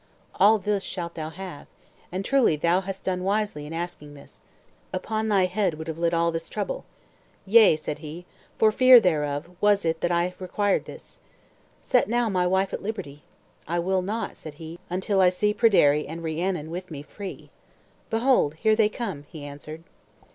"All this shalt thou have. And truly thou hast done wisely in asking this. Upon thy head would have lit all this trouble." "Yea," said he, "for fear thereof was it that I required this." "Set now my wife at liberty." "I will not," said he, "until I see Pryderi and Rhiannon with me free." "Behold, here they come," he answered.